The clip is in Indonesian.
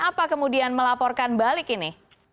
apa kemudian melaporkan balik ini